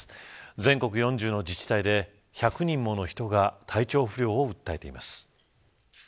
全国４０の自治体で１００人もの人が体調不良を訴えています。